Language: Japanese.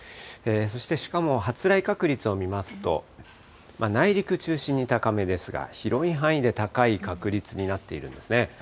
そしてしかも発雷確率を見ますと、内陸中心に高めですが、広い範囲で高い確率になっているんですね。